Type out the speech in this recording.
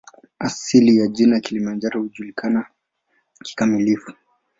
Asili ya jina "Kilimanjaro" haijulikani kikamilifu.